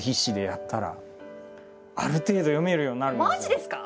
でもマジですか？